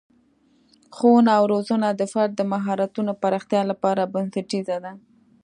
ښوونه او روزنه د فرد د مهارتونو پراختیا لپاره بنسټیزه ده.